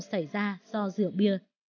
xảy ra do rượu bia